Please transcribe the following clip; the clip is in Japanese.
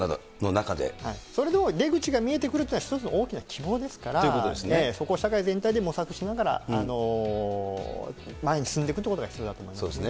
それでも出口が見えてくるというのは、一つ大きな希望ですから、そこを社会全体で模索しながら、前に進んでいくということが必要だと思いますね。